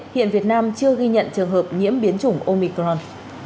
hiện việt nam chưa ghi nhận trường hợp nhiễm biến chủng omicron